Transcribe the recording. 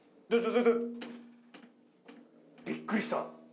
びっくりした。